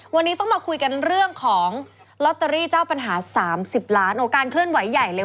วันนี้ต้องมาคุยกันเรื่องของีอการมีปัญหาสามสิบล้านโอว่งานเคลื่อนไหวใหญ่เลย